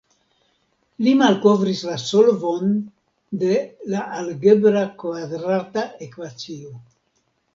Li malkovris la solvon de la algebra kvadrata ekvacio.